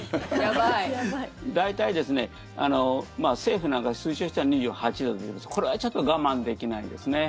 大体、政府なんかが推進してるのは２８度でこれはちょっと我慢できないですね。